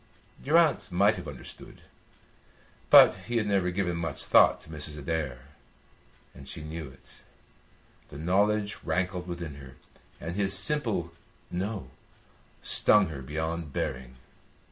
Durrance might have understood, but he had never given much thought to Mrs. Adair, and she knew it. The knowledge rankled within her, and his simple "no" stung her beyond bearing.